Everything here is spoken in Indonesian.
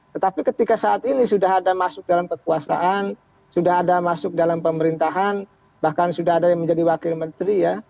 tetapi ketika saat ini sudah ada masuk dalam kekuasaan sudah ada masuk dalam pemerintahan bahkan sudah ada yang menjadi wakil menteri ya